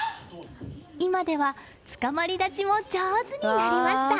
今ではつかまり立ちも上手になりました。